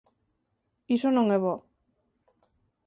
Iso non é bo.